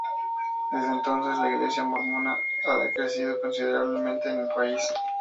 Desde entonces la iglesia mormona ha crecido considerablemente en el país.